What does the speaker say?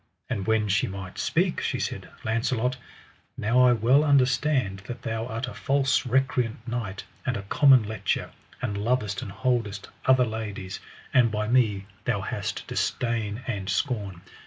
And when she might speak she said: Launcelot, now I well understand that thou art a false recreant knight and a common lecher, and lovest and holdest other ladies, and by me thou hast disdain and scorn.